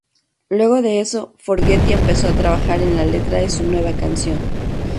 Luego de eso, Fogerty empezó a trabajar en la letra de su nueva canción.